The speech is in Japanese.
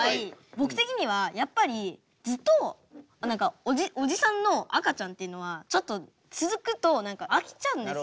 僕的にはやっぱりずっとおじさんの赤ちゃんっていうのはちょっと続くと飽きちゃうんですよ。